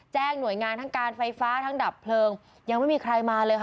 หน่วยงานทั้งการไฟฟ้าทั้งดับเพลิงยังไม่มีใครมาเลยค่ะ